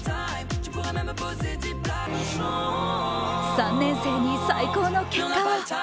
３年生に最高の結果を。